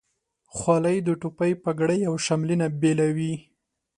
خولۍ د ټوپۍ، پګړۍ، او شملې نه بیله وي.